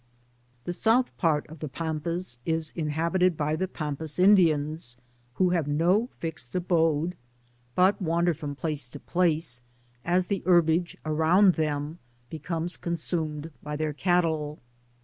The south part of the Pampas is inhabited by the Pampas Indians, who have no fixed abode, but wander from place to place, as the herbage around them becomes consumed by their cattle.